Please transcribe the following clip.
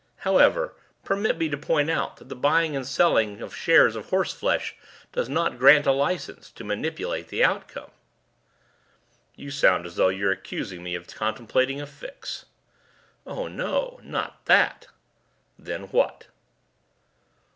However, permit me to point out that the buying and selling of shares of horseflesh does not grant a license to manipulate the outcome." "You sound as though you're accusing me of contemplating a fix." "Oh no. Not that." "Then what?"